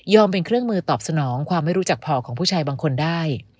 เป็นเครื่องมือตอบสนองความไม่รู้จักพอของผู้ชายบางคนได้